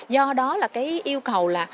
do đó là cái yêu cầu là